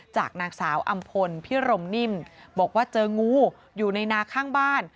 จากนางสาวอำพลพิรมนิ่มบอกว่าเจองูอยู่ในนาข้างบ้าน